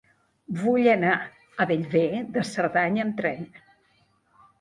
Vull anar a Bellver de Cerdanya amb tren.